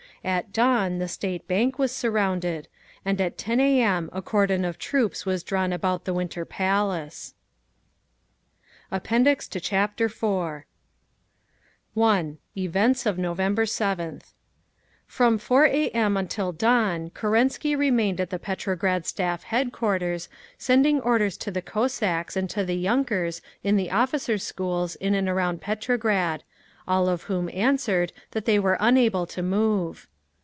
At dawn the State Bank was surrounded. And at 10 A. M. a cordon of troops was drawn about the Winter Palace. APPENDIX TO CHAPTER IV 1. EVENTS OF NOVEMBER 7TH From 4 A. M. until dawn Kerensky remained at the Petrograd Staff Headquarters, sending orders to the Cossacks and to the yunkers in the Officers' Schools in and around Petrograd—all of whom answered that they were unable to move.